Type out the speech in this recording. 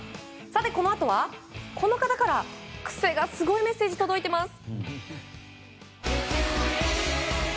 さて、このあとはこの方からクセがすごいメッセージが届いています！